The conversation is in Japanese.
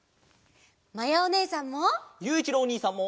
まやおねえさんも。